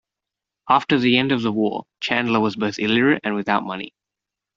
After the end of the war, Chandler was both illiterate and without money.